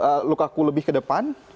ada lukaku lebih ke depan